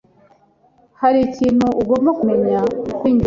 hari ikintu ugomba kumenya kuri njye.